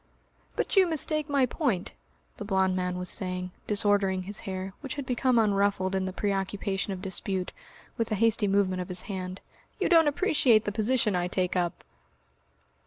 "But you mistake my point," the blond man was saying, disordering his hair which had become unruffled in the preoccupation of dispute with a hasty movement of his hand, "you don't appreciate the position I take up.")